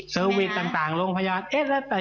เซอร์วิสต์ต่างโรงพยาบาล